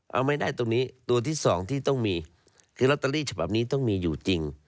เอาไม่ได้ตรงนี้ตัวที่สองที่ต้องมีคือลอตเตอรี่ฉบับนี้ต้องมีอยู่จริง